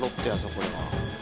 これは。